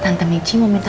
tante michi mau berbicara